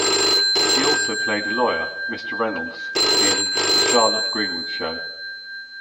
He also played a lawyer, "Mr. Reynolds," in "The Charlotte Greenwood Show".